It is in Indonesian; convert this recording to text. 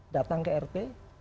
datang ke rp